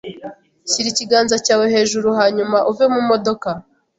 Shyira ikiganza cyawe hejuru hanyuma uve mu modoka.